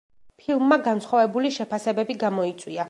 ფილმმა განსხვავებული შეფასებები გამოიწვია.